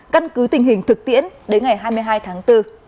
căn cứ tình hình thực tiễn đến ngày hai mươi hai tháng bốn